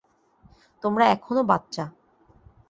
তোমরা এখনো বাচ্চা।